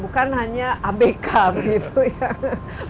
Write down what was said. bukan hanya abk begitu ya